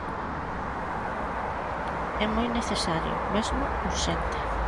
É "moi necesario", mesmo urxente.